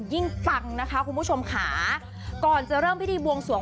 ปังนะคะคุณผู้ชมค่ะก่อนจะเริ่มพิธีบวงสวง